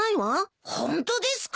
ホントですか？